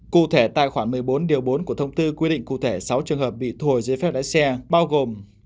cụ thể tài khoản một mươi bốn điều bốn của thông tư quy định cụ thể sáu trường hợp bị thu hồi giấy phép lái xe bao gồm